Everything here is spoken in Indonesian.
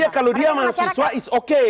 kalau dia mahasiswa is oke